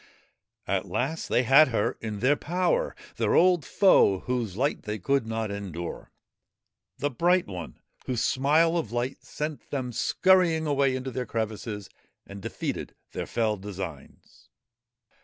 At last they had her in their power their old foe whose light they could not endure ; the Bright One whose smile of light sent them scurrying away into their crevices and defeated their fell designs.